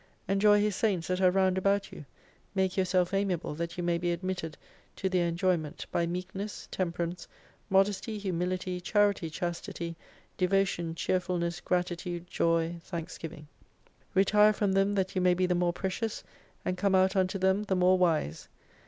Enjoy His Saints that are round about you, make yourself amiable that you may be admitted to their enjoyment, by meekness, tem perance, modesty, humility, charity, chastity, devotion, cheerfulness, gratitude, joy, thanksgiving. Retire from them that you may be the more precious, and come out unto them the more wise.